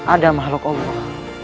ada mahluk allah